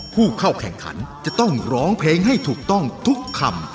ผู้เข้าแข่งขันจะต้องร้องเพลงให้ถูกต้องทุกคำ